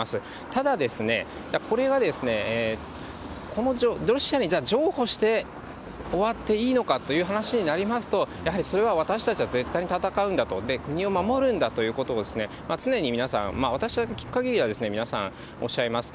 ただですね、これがロシアに譲歩して終わっていいのかという話になりますと、やはりそれは私たちは絶対に戦うんだと、国を守るんだということを、常に皆さん、私が聞くかぎりは、皆さん、おっしゃいます。